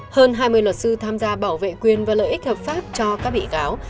hơn hai mươi luật sư tham gia bảo vệ quyền và lợi ích hợp pháp cho các bị cáo